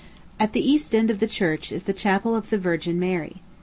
] At the east end of the church is the Chapel of the Virgin Mary.